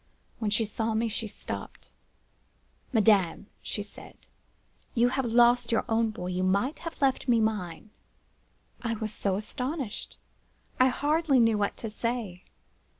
When she saw me, she stopped: 'Madame,' she said, 'you have lost your own boy. You might have left me mine.' "I was so astonished—I hardly knew what to say.